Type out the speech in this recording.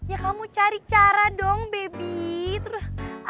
ya kamu cari cara dong bebek